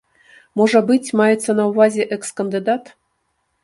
Можа быць, маецца на ўвазе экс-кандыдат?